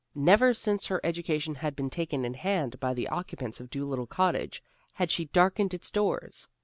Never since her education had been taken in hand by the occupants of Dolittle Cottage, had she darkened its doors.